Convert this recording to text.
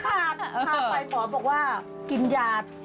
พาไปหมอบอกว่ากินยา